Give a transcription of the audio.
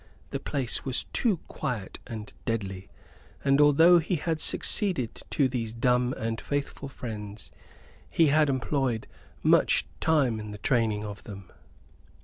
The place was too quiet and deadly; and although he had succeeded to these dumb and faithful friends, he had employed much time in the training of them.